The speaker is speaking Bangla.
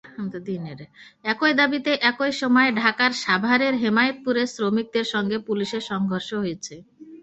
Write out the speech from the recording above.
একই দাবিতে একই সময় ঢাকার সাভারের হেমায়েতপুরে শ্রমিকদের সঙ্গে পুলিশের সংঘর্ষ হয়েছে।